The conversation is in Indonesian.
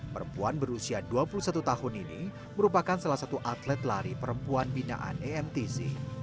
perempuan berusia dua puluh satu tahun ini merupakan salah satu atlet lari perempuan binaan emtc